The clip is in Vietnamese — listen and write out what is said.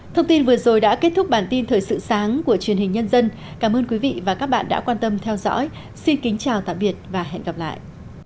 thông tin vừa rồi đã kết thúc bản tin thời sự sáng của truyền hình nhân dân cảm ơn quý vị và các bạn đã quan tâm theo dõi xin kính chào tạm biệt và hẹn gặp lại